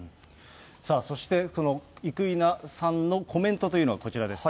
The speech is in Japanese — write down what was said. さあそして、この生稲さんのコメントというのがこちらです。